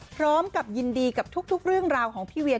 พร้อมกับยินดีกับทุกเรื่องราวของพี่เวีย